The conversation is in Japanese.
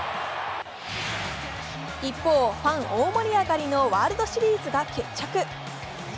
一方、ファン大盛り上がりのワールドシリーズが決着。